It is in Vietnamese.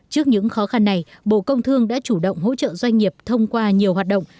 trước những khó khăn này bộ công thương đã chủ động hỗ trợ doanh nghiệp thông qua nhiều hoạt động